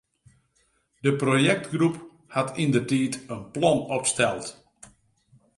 De projektgroep hat yndertiid in plan opsteld.